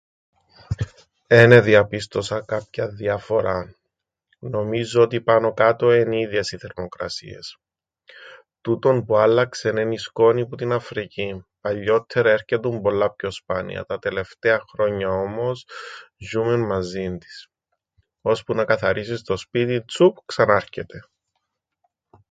Εν εδιαπίστωσα κάποιαν διαφοράν. Νομίζω ότι πάνω-κάτω εν' οι ίδιες οι θερμοκρασίες. Τούτον που άλλαξεν εν' η σκόνη που την Αφρικήν. Παλιόττερα έρκετουν πολλά πιο σπάνια, τα τελευταία χρόνια όμως ζ̆ιούμεν μαζίν της. Ώσπου να καθαρίσεις το σπίτιν, τσουπ, ξανάρκεται.